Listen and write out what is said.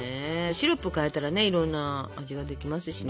シロップ変えたらねいろんな味ができますしね。